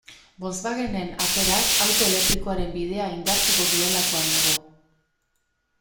Volkswagenen aferak auto elektrikoaren bidea indartuko duelakoan nago.